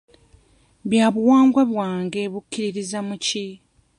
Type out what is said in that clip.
Byabuwangwa bwange bukkiririza mu ki?